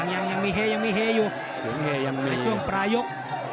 ยังมีเฮอยู่สิ่งเฮยังมียังองปรายก